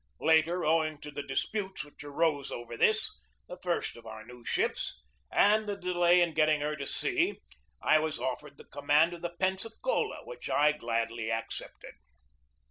Later, owing to the disputes which arose over this, the first of our new ships, and the delay in getting her to sea, I was offered the command of the Pensacola, which I gladly accepted.